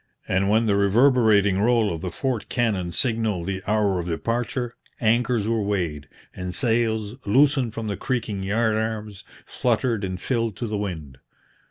And when the reverberating roll of the fort cannon signalled the hour of departure, anchors were weighed, and sails, loosened from the creaking yard arms, fluttered and filled to the wind.